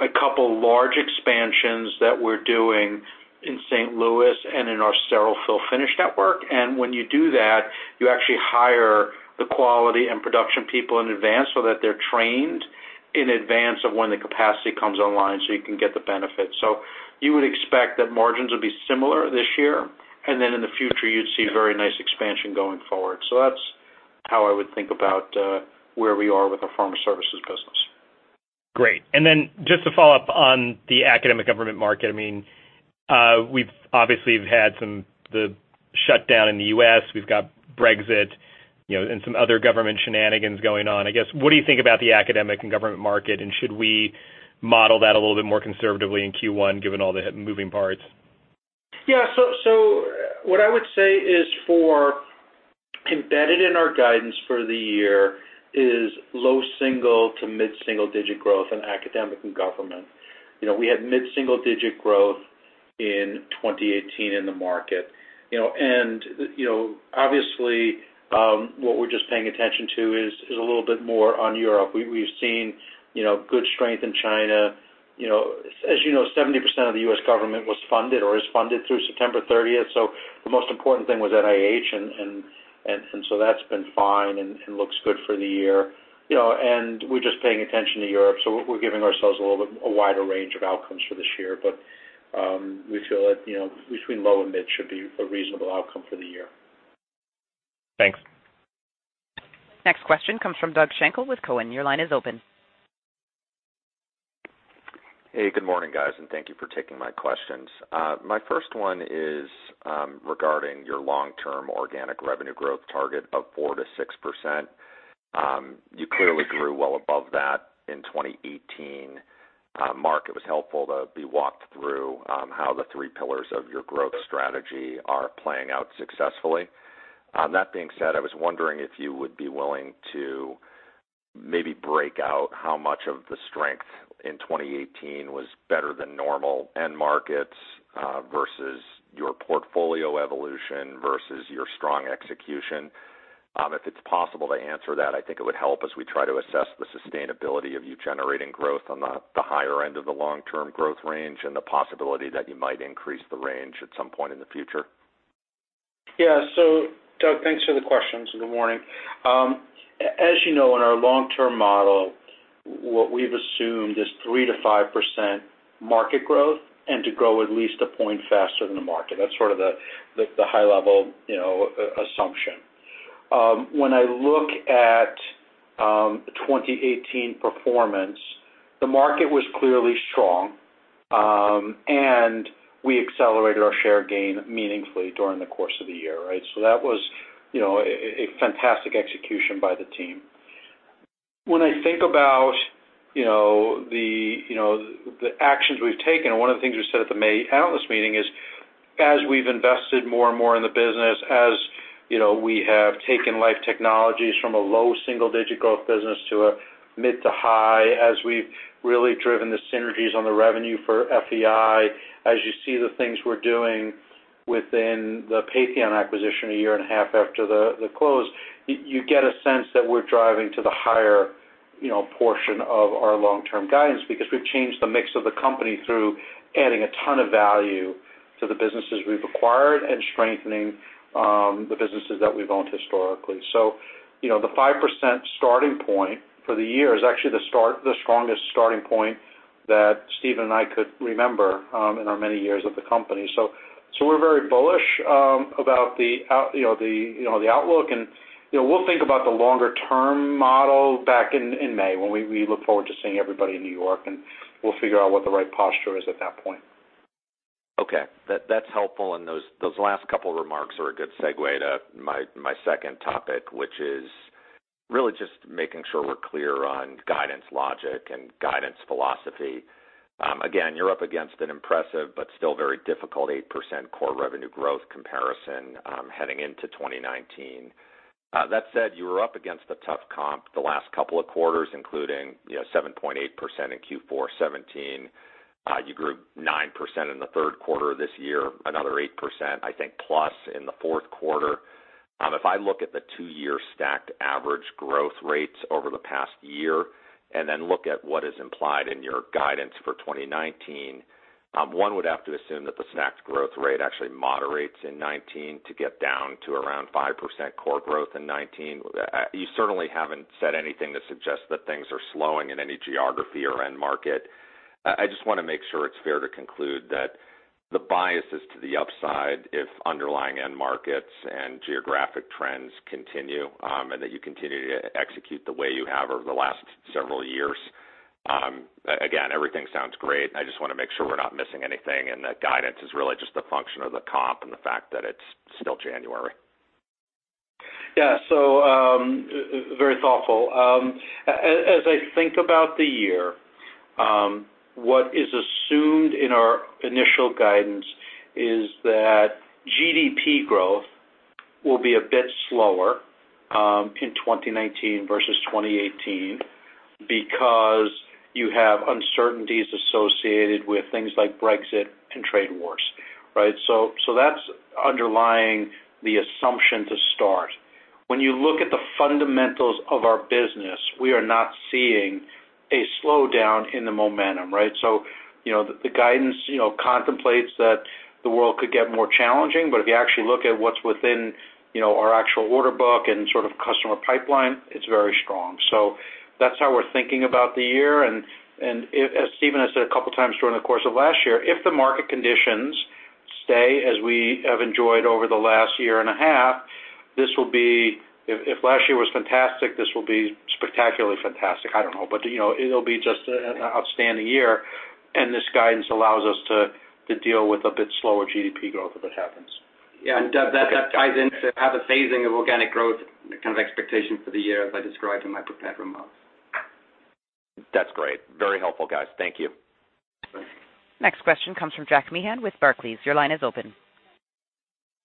a couple large expansions that we're doing in St. Louis and in our sterile fill finish network. When you do that, you actually hire the quality and production people in advance so that they're trained in advance of when the capacity comes online so you can get the benefit. You would expect that margins would be similar this year, in the future, you'd see very nice expansion going forward. That's how I would think about where we are with our pharma services business. Great. Just to follow up on the academic government market, we've obviously have had the shutdown in the U.S. We've got Brexit and some other government shenanigans going on. What do you think about the academic and government market, and should we model that a little bit more conservatively in Q1 given all the moving parts? What I would say is for embedded in our guidance for the year is low single to mid-single digit growth in academic and government. We had mid-single digit growth in 2018 in the market. Obviously, what we're just paying attention to is a little bit more on Europe. We've seen good strength in China. You know, 70% of the U.S. government was funded or is funded through September 30th, so the most important thing was NIH, that's been fine and looks good for the year. We're just paying attention to Europe. We're giving ourselves a little bit, a wider range of outcomes for this year. We feel that between low and mid should be a reasonable outcome for the year. Thanks. Next question comes from Doug Schenkel with Cowen. Your line is open. Hey, good morning, guys, and thank you for taking my questions. My first one is regarding your long-term organic revenue growth target of 4%-6%. You clearly grew well above that in 2018. Marc, it was helpful to be walked through how the three pillars of your growth strategy are playing out successfully. Being said, I was wondering if you would be willing to maybe break out how much of the strength in 2018 was better than normal end markets versus your portfolio evolution versus your strong execution. It's possible to answer that, I think it would help as we try to assess the sustainability of you generating growth on the higher end of the long-term growth range and the possibility that you might increase the range at some point in the future. Doug, thanks for the questions. Good morning. As you know, in our long-term model, what we've assumed is 3%-5% market growth and to grow at least a point faster than the market. That's sort of the high-level assumption. When I look at 2018 performance, the market was clearly strong, and we accelerated our share gain meaningfully during the course of the year, right? That was a fantastic execution by the team. When I think about the actions we've taken, one of the things we said at the May analyst meeting is, as we've invested more and more in the business, as we have taken Life Technologies from a low single-digit growth business to a mid to high, as we've really driven the synergies on the revenue for FEI, as you see the things we're doing within the Patheon acquisition a year and a half after the close, you get a sense that we're driving to the higher portion of our long-term guidance, because we've changed the mix of the company through adding a ton of value to the businesses we've acquired and strengthening the businesses that we've owned historically. The 5% starting point for the year is actually the strongest starting point that Stephen and I could remember in our many years at the company. We're very bullish about the outlook, we'll think about the longer-term model back in May, when we look forward to seeing everybody in New York, we'll figure out what the right posture is at that point. Okay. That's helpful, those last couple of remarks are a good segue to my second topic, which is really just making sure we're clear on guidance logic and guidance philosophy. Again, you're up against an impressive but still very difficult 8% core revenue growth comparison heading into 2019. That said, you were up against a tough comp the last couple of quarters, including 7.8% in Q4 2017. You grew 9% in the third quarter of this year, another 8%, I think, plus in the fourth quarter. If I look at the two-year stacked average growth rates over the past year, then look at what is implied in your guidance for 2019, one would have to assume that the stacked growth rate actually moderates in 2019 to get down to around 5% core growth in 2019. You certainly haven't said anything to suggest that things are slowing in any geography or end market. I just want to make sure it's fair to conclude that the bias is to the upside if underlying end markets and geographic trends continue, and that you continue to execute the way you have over the last several years. Again, everything sounds great. I just want to make sure we're not missing anything, and that guidance is really just a function of the comp and the fact that it's still January. Yeah. Very thoughtful. As I think about the year, what is assumed in our initial guidance is that GDP growth will be a bit slower, in 2019 versus 2018, because you have uncertainties associated with things like Brexit and trade wars. That's underlying the assumption to start. When you look at the fundamentals of our business, we are not seeing a slowdown in the momentum. The guidance contemplates that the world could get more challenging, but if you actually look at what's within our actual order book and customer pipeline, it's very strong. That's how we're thinking about the year, and as Stephen has said a couple of times during the course of last year, if the market conditions stay as we have enjoyed over the last year and a half, if last year was fantastic, this will be spectacularly fantastic. I don't know. It'll be just an outstanding year, and this guidance allows us to deal with a bit slower GDP growth if it happens. That ties into have a phasing of organic growth, kind of expectation for the year as I described in my prepared remarks. That's great. Very helpful, guys. Thank you. Thanks. Next question comes from Jack with Barclays. Your line is open.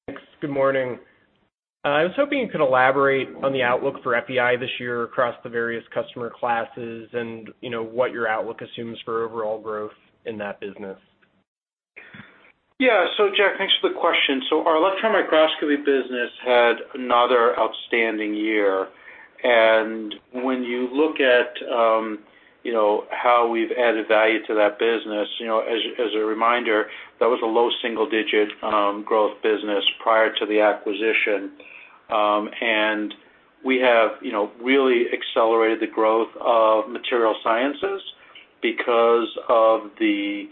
Thanks. Good morning. I was hoping you could elaborate on the outlook for FEI this year across the various customer classes and what your outlook assumes for overall growth in that business. Yeah. Jack, thanks for the question. Our electron microscopy business had another outstanding year. When you look at how we've added value to that business, as a reminder, that was a low single-digit growth business prior to the acquisition. We have really accelerated the growth of material sciences because of the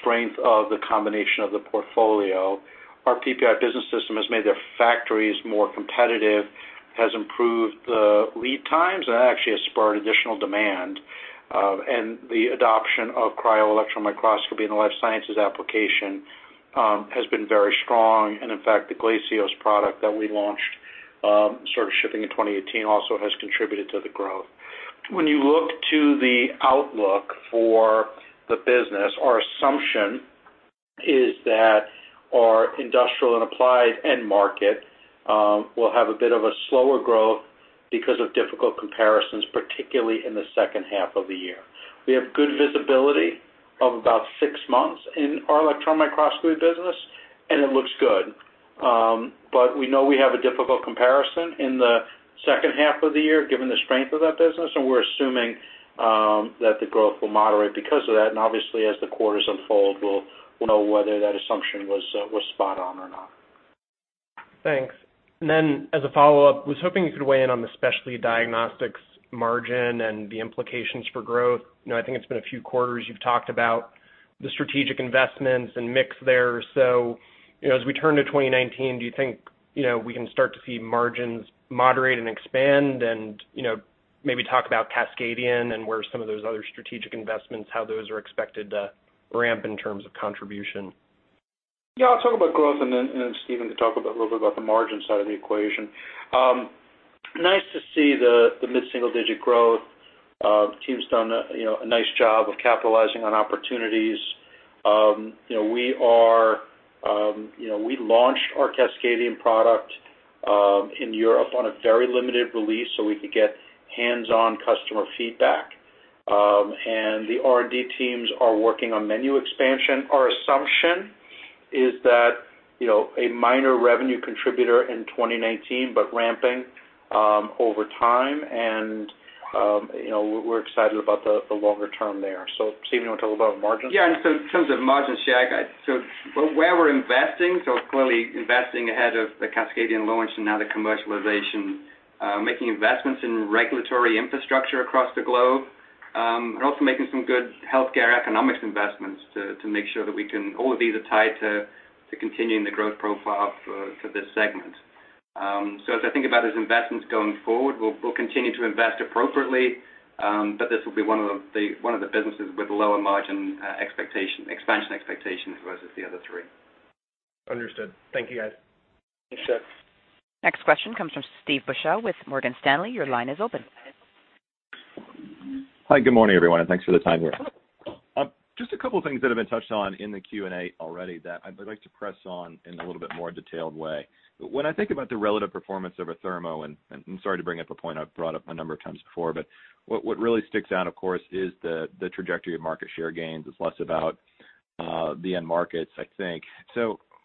strength of the combination of the portfolio. Our PPI Business System has made their factories more competitive, has improved the lead times, and actually has spurred additional demand. The adoption of cryo-electron microscopy in the life sciences application has been very strong. In fact, the Glacios product that we launched, started shipping in 2018, also has contributed to the growth. When you look to the outlook for the business, our assumption is that our industrial and applied end market will have a bit of a slower growth because of difficult comparisons, particularly in the second half of the year. We have good visibility of about six months in our electron microscopy business, and it looks good. We know we have a difficult comparison in the second half of the year, given the strength of that business, and we're assuming that the growth will moderate because of that. Obviously, as the quarters unfold, we'll know whether that assumption was spot on or not. Thanks. As a follow-up, I was hoping you could weigh in on the Specialty Diagnostics margin and the implications for growth. I think it's been a few quarters you've talked about the strategic investments and mix there. As we turn to 2019, do you think we can start to see margins moderate and expand, and maybe talk about Cascadion and where some of those other strategic investments, how those are expected to ramp in terms of contribution? I'll talk about growth, and then Stephen can talk a little bit about the margin side of the equation. Nice to see the mid-single digit growth. Team's done a nice job of capitalizing on opportunities. We launched our Cascadion product in Europe on a very limited release so we could get hands-on customer feedback. The R&D teams are working on menu expansion. Our assumption is that a minor revenue contributor in 2019, but ramping over time, and we're excited about the longer term there. Stephen, you want to talk about margins? In terms of margins, Jack, where we're investing, clearly investing ahead of the Cascadion launch and now the commercialization, making investments in regulatory infrastructure across the globe, and also making some good healthcare economics investments to make sure that all of these are tied to continuing the growth profile for this segment. As I think about those investments going forward, we'll continue to invest appropriately. This will be one of the businesses with lower margin expansion expectations versus the other three. Understood. Thank you, guys. Thanks, jack. Next question comes from Steve Beuchaw with Morgan Stanley. Your line is open. Hi, good morning, everyone, thanks for the time here. Just a couple of things that have been touched on in the Q&A already that I'd like to press on in a little bit more detailed way. When I think about the relative performance of a Thermo, and I'm sorry to bring up a point I've brought up a number of times before, but what really sticks out, of course, is the trajectory of market share gains. It's less about the end markets, I think.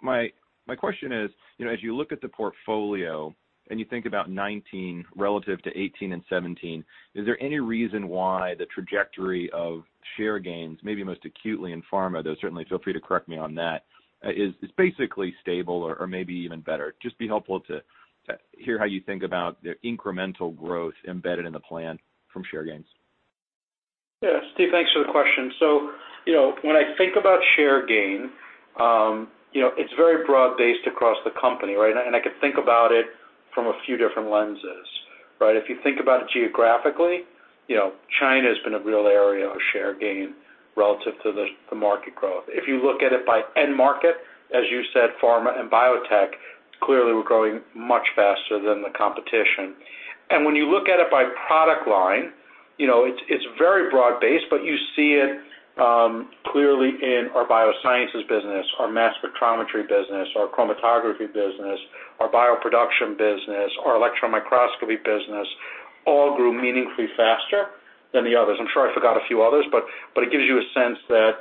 My question is, as you look at the portfolio and you think about 2019 relative to 2018 and 2017, is there any reason why the trajectory of share gains, maybe most acutely in pharma, though certainly feel free to correct me on that, is basically stable or maybe even better? Just be helpful to hear how you think about the incremental growth embedded in the plan from share gains. Yeah, Steve, thanks for the question. When I think about share gain, it's very broad-based across the company, right? I can think about it from a few different lenses, right? If you think about it geographically, China has been a real area of share gain relative to the market growth. If you look at it by end market, as you said, pharma and biotech, clearly we're growing much faster than the competition. When you look at it by product line, it's very broad based, you see it clearly in our biosciences business, our mass spectrometry business, our chromatography business, our bioproduction business, our electron microscopy business, all grew meaningfully faster than the others. I'm sure I forgot a few others, it gives you a sense that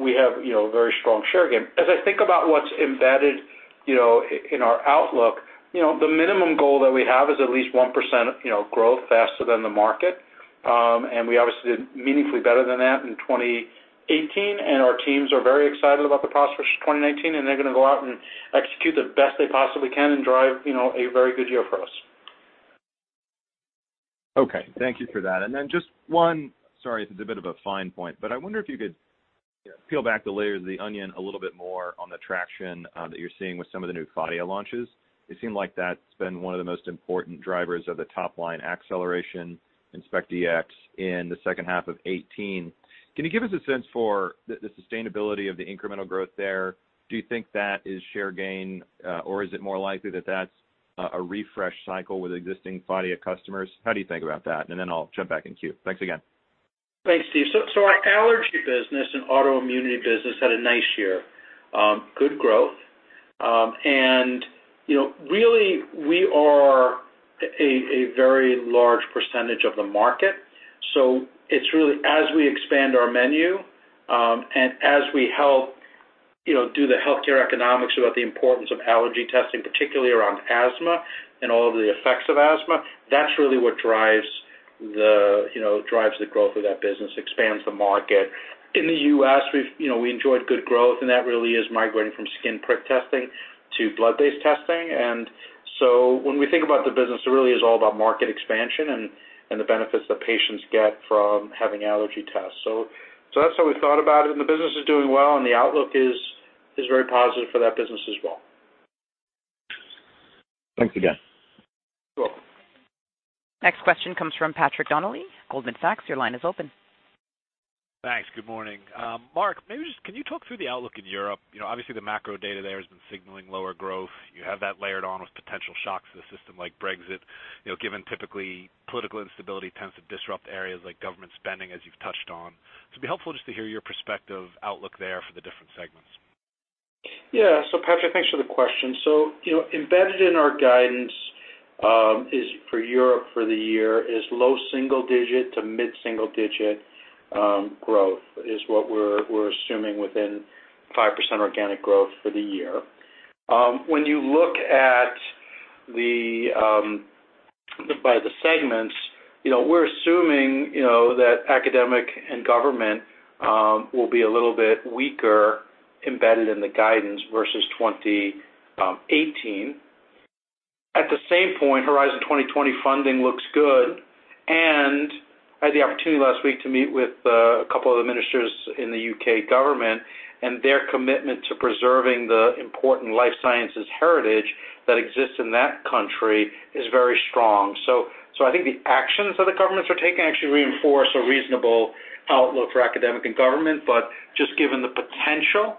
we have very strong share gain. As I think about what's embedded in our outlook, the minimum goal that we have is at least 1% growth faster than the market. We obviously did meaningfully better than that in 2018, our teams are very excited about the prospects for 2019, they're going to go out and execute the best they possibly can and drive a very good year for us. Okay. Thank you for that. Then just one, sorry if it's a bit of a fine point, I wonder if you could peel back the layers of the onion a little bit more on the traction that you're seeing with some of the new CLIA launches. It seemed like that's been one of the most important drivers of the top-line acceleration in Specialty Diagnostics in the second half of 2018. Can you give us a sense for the sustainability of the incremental growth there? Do you think that is share gain? Is it more likely that that's a refresh cycle with existing CLIA customers? How do you think about that? Then I'll jump back in queue. Thanks again. Thanks, Steve. Our allergy business and autoimmunity business had a nice year. Good growth. Really, we are a very large percentage of the market. It's really as we expand our menu, and as we help do the healthcare economics about the importance of allergy testing, particularly around asthma and all of the effects of asthma, that's really what drives the growth of that business, expands the market. In the U.S., we enjoyed good growth, that really is migrating from skin prick testing to blood-based testing. When we think about the business, it really is all about market expansion and the benefits that patients get from having allergy tests. That's how we thought about it, and the business is doing well, and the outlook is very positive for that business as well. Thanks again. You're welcome. Next question comes from Patrick Donnelly, Goldman Sachs. Your line is open. Thanks. Good morning. Marc, can you talk through the outlook in Europe? Obviously, the macro data there has been signaling lower growth. You have that layered on with potential shocks to the system like Brexit. Given typically political instability tends to disrupt areas like government spending, as you've touched on. It'd be helpful just to hear your perspective outlook there for the different segments. Yeah. Patrick, thanks for the question. Embedded in our guidance for Europe for the year is low single-digit to mid-single-digit growth, is what we're assuming within 5% organic growth for the year. When you look by the segments, we're assuming that academic and government will be a little bit weaker embedded in the guidance versus 2018. At the same point, Horizon 2020 funding looks good, and I had the opportunity last week to meet with a couple of the ministers in the U.K. government, and their commitment to preserving the important life sciences heritage that exists in that country is very strong. I think the actions that the governments are taking actually reinforce a reasonable outlook for academic and government, but just given the potential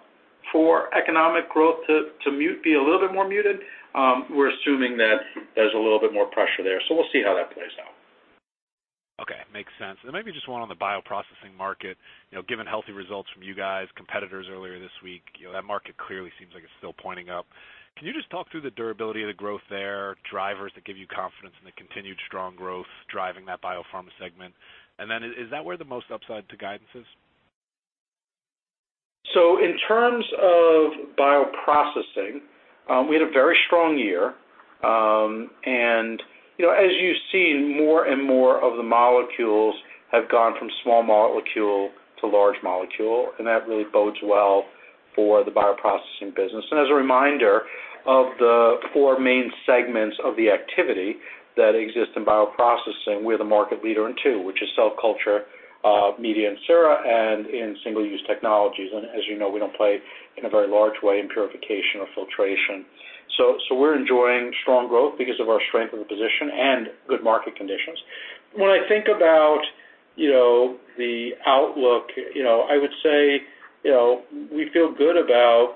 for economic growth to be a little bit more muted, we're assuming that there's a little bit more pressure there. We'll see how that plays out. Okay. Makes sense. Maybe just one on the bioprocessing market. Given healthy results from you guys, competitors earlier this week, that market clearly seems like it's still pointing up. Can you just talk through the durability of the growth there, drivers that give you confidence in the continued strong growth driving that biopharma segment? Is that where the most upside to guidance is? In terms of bioprocessing, we had a very strong year. As you've seen, more and more of the molecules have gone from small molecule to large molecule, that really bodes well for the bioprocessing business. As a reminder, of the four main segments of the activity that exist in bioprocessing, we're the market leader in two, which is cell culture, media and sera, and in single-use technologies. As you know, we don't play in a very large way in purification or filtration. We're enjoying strong growth because of our strength of the position and good market conditions. When I think about the outlook, I would say, we feel good about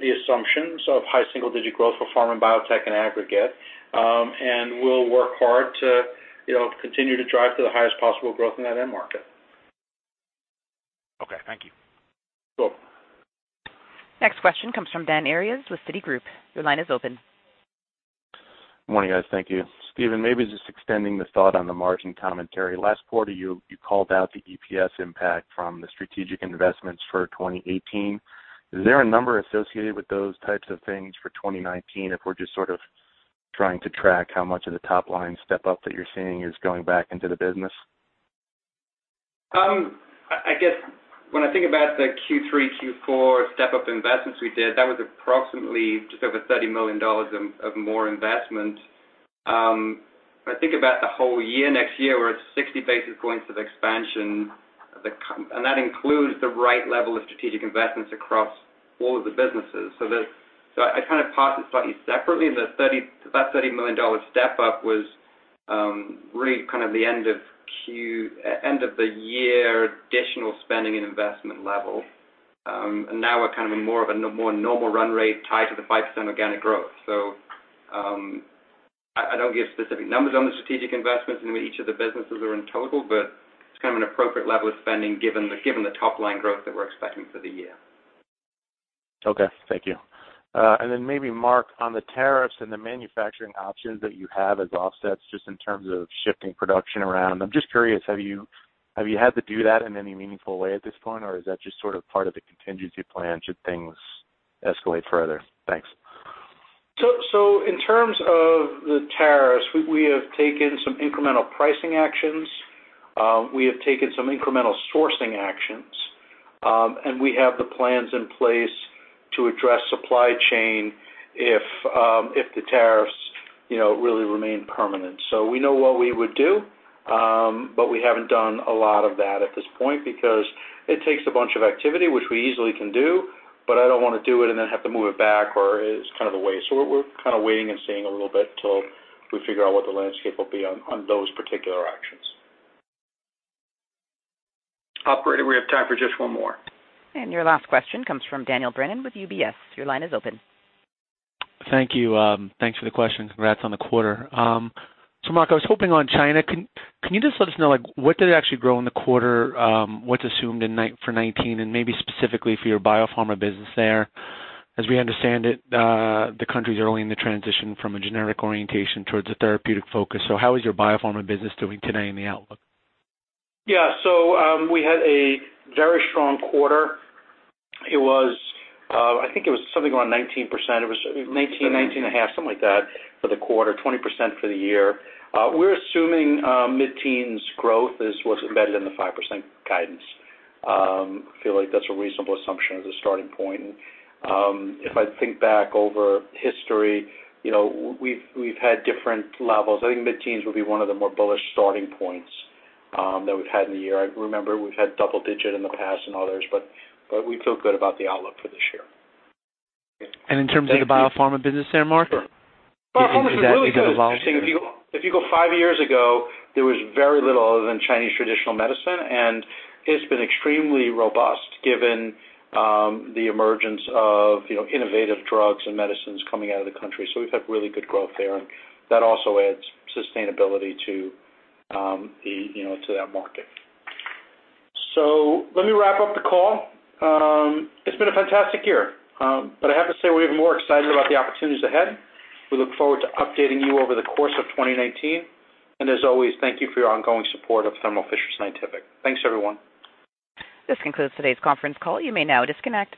the assumptions of high single-digit growth for pharma and biotech in aggregate, and we'll work hard to continue to drive to the highest possible growth in that end market. Okay, thank you. Sure. Next question comes from Dan Arias with Citigroup. Your line is open. Morning, guys. Thank you. Stephen, maybe just extending the thought on the margin commentary. Last quarter, you called out the EPS impact from the strategic investments for 2018. Is there a number associated with those types of things for 2019, if we're just sort of trying to track how much of the top-line step-up that you're seeing is going back into the business? I guess, when I think about the Q3, Q4 step-up investments we did, that was approximately just over $30 million of more investment. If I think about the whole year next year, we're at 60 basis points of expansion, that includes the right level of strategic investments across all of the businesses. I kind of parse it slightly separately. That $30 million step-up was really kind of the end of the year additional spending and investment level. Now we're kind of in more of a normal run rate tied to the 5% organic growth. I don't give specific numbers on the strategic investments in each of the businesses or in total, but it's kind of an appropriate level of spending given the top-line growth that we're expecting for the year. Okay, thank you. Then maybe Marc, on the tariffs and the manufacturing options that you have as offsets, just in terms of shifting production around. I'm just curious, have you had to do that in any meaningful way at this point, or is that just sort of part of the contingency plan should things escalate further? Thanks. In terms of the tariffs, we have taken some incremental pricing actions. We have taken some incremental sourcing actions, we have the plans in place to address supply chain if the tariffs really remain permanent. We know what we would do, but we haven't done a lot of that at this point because it takes a bunch of activity, which we easily can do, but I don't want to do it and then have to move it back, or it's kind of a waste. We're kind of waiting and seeing a little bit till we figure out what the landscape will be on those particular actions. Operator, we have time for just one more. Your last question comes from Daniel Brennan with UBS. Your line is open. Thank you. Thanks for the question. Congrats on the quarter. Marc, I was hoping on China, can you just let us know, what did it actually grow in the quarter? What's assumed for 2019? Maybe specifically for your biopharma business there. As we understand it, the country's early in the transition from a generic orientation towards a therapeutic focus. How is your biopharma business doing today and the outlook? We had a very strong quarter. I think it was something around 19%. It was 19.5, something like that for the quarter, 20% for the year. We're assuming mid-teens growth is what's embedded in the 5% guidance. I feel like that's a reasonable assumption as a starting point. If I think back over history, we've had different levels. I think mid-teens will be one of the more bullish starting points that we've had in the year. I remember we've had double digit in the past and others, we feel good about the outlook for this year. In terms of the biopharma business there, Marc? Sure. Biopharma is really good. If you go five years ago, there was very little other than Chinese traditional medicine, it's been extremely robust given the emergence of innovative drugs and medicines coming out of the country. We've had really good growth there, that also adds sustainability to that market. Let me wrap up the call. It's been a fantastic year. I have to say, we're even more excited about the opportunities ahead. We look forward to updating you over the course of 2019. As always, thank you for your ongoing support of Thermo Fisher Scientific. Thanks, everyone. This concludes today's conference call. You may now disconnect.